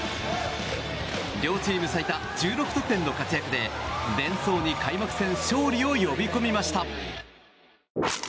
両チーム最多１６得点の活躍でデンソーに開幕戦勝利を呼び込みました。